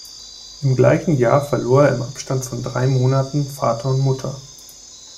Im gleichen Jahr verlor er im Abstand von drei Monaten Vater und Mutter.